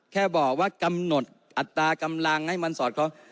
แค่บอกว่ากำหนดอัตรากำลังให้มันสอดคล้อง